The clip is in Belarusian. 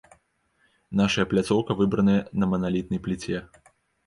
Нашая пляцоўка выбраная на маналітнай пліце.